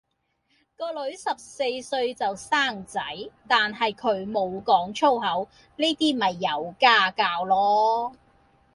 個女十四歲就生仔，但係佢無講粗口，呢啲咪有家教囉